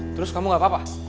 terus kamu gak apa apa